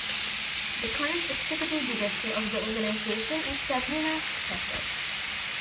The current executive director of the organization is Sabrina Schaeffer.